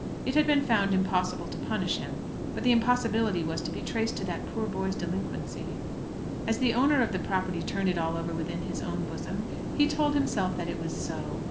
It had been found impossible to punish him, but the impossibility was to be traced to that poor boy's delinquency. As the owner of the property turned it all over within his own bosom, he told himself that it was so.